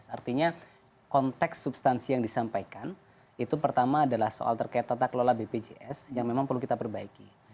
artinya konteks substansi yang disampaikan itu pertama adalah soal terkait tata kelola bpjs yang memang perlu kita perbaiki